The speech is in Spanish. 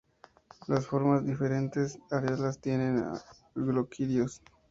Las formas diferentes areolas tienen gloquidios.